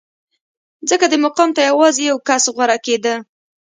ځکه دې مقام ته یوازې یو کس غوره کېده